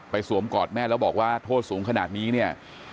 สวมกอดแม่แล้วบอกว่าโทษสูงขนาดนี้เนี่ย